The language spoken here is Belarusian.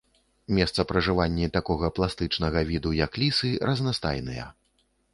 Месцапражыванні такога пластычнага віду, як лісы, разнастайныя.